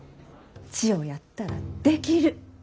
千代やったらできる。